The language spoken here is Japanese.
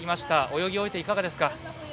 泳ぎ終えていかがですか。